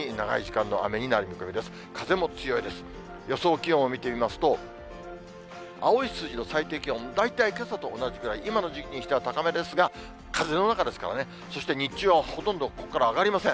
気温を見てみますと、青い数字の最低気温、大体けさと同じくらい、今の時期にしては高めですが、風の中ですからね、そして日中はほとんど、ここから上がりません。